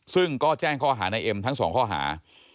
ซึ่งก็แจ้งข้อหาในเอ็มทั้งสองข้อหา